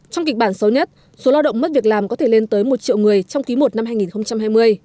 trong kịch bản xấu nhất số lao động mất việc làm có thể lên tới một triệu người trong ký một năm hai nghìn hai mươi